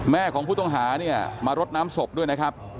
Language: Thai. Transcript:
แม่ของผู้ต้องหามารดน้ำศพด้วยนะครับ